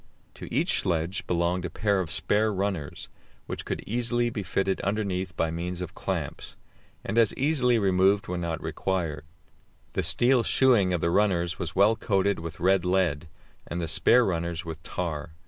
To each sledge belonged a pair of spare runners, which could easily be fitted underneath by means of clamps, and as easily removed when not required. The steel shoeing of the runners was well coated with red lead, and the spare runners with tar.